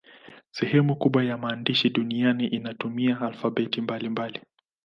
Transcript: Sehemu kubwa ya maandishi duniani inatumia alfabeti mbalimbali.